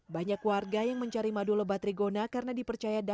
banyak warga yang mencari madu lebah rigona karena dipercaya dapatnya